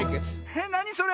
えっなにそれ⁉